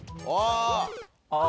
ああ。